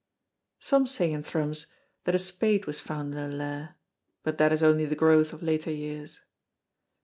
Some say in Thrums that a spade was found in the Lair, but that is only the growth of later years.